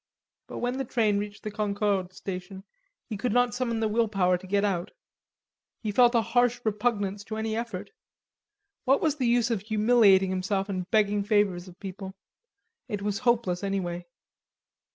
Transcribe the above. But when the train reached the Concorde station, he could not summon the will power to get out. He felt a harsh repugnance to any effort. What was the use of humiliating himself and begging favors of people? It was hopeless anyway.